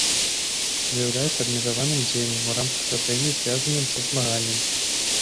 З'яўляецца абмежаваным дзеяннем у рамкай стратэгіі, звязаным са змаганнем.